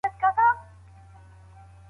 د بدني ساعت ګډوډي د روغتیا ستونزې رامنځته کوي.